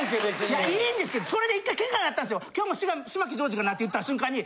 いやいいんですけどそれで１回ケンカなったんですよ。って言った瞬間に。